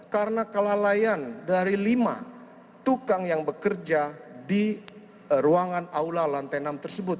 karena kelalaian dari lima tukang yang bekerja di ruangan aula lantai enam tersebut